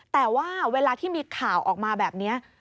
แต่ว่าเวลาที่มีข่าวออกมาแบบนี้